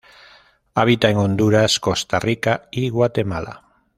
Habita en Honduras, Costa Rica y Guatemala.